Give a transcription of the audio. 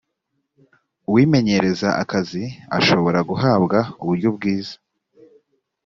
uwimenyereza akazi ashobora guhabwa uburyo bwiza